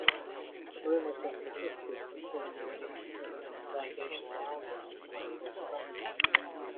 Rumors have persisted concerning the release of an improvisational album entitled "Frenzy".